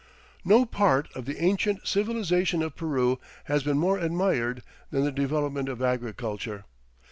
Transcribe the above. No part of the ancient civilization of Peru has been more admired than the development of agriculture.